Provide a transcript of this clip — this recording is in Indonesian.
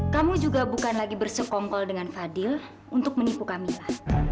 kamu juga bukan lagi bersekongkol dengan fadil untuk menipu kami mas